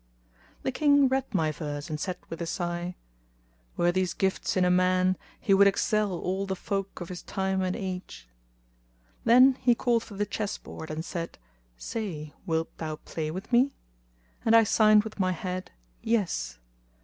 The King read my verse and said with a sigh, "Were these gifts[FN#245] in a man, he would excel all the folk of his time and age!" Then he called for the chess board, and said, "Say, wilt thou play with me?"; and I signed with my head, "Yes."